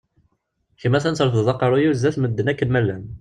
Kemm a-t-an trefdeḍ aqerruy-iw sdat n medden akken ma llan.